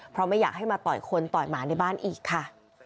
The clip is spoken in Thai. เพราะไม่อยากให้มาต่อยคนต่อยหมาในบ้านอีกค่ะ